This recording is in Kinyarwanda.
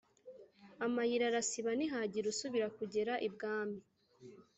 Amayira arasiba, ntihagira usubira kugera ibwami